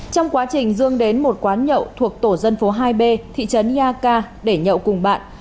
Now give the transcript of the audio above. trong quá trình dung đến một quán nhậu thuộc tổ dân phố hai b thị trấn ia ca để nhậu cùng bạn